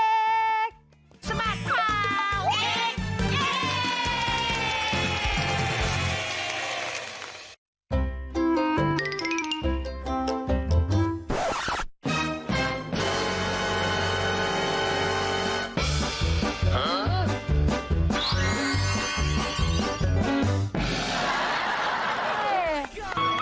สบัดข่าวเน็ก